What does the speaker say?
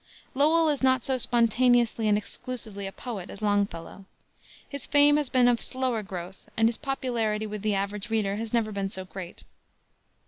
Lowell is not so spontaneously and exclusively a poet as Longfellow. His fame has been of slower growth, and his popularity with the average reader has never been so great.